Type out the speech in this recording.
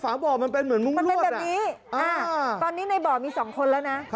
อ๋อฝาบ่อมันเป็นเหมือนมุงรวดอ่ะอ่าตอนนี้ในบ่อมี๒คนแล้วนะ